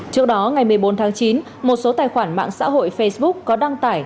trước đó ngày một mươi bốn tháng chín một số tài khoản mạng xã hội facebook có đăng tải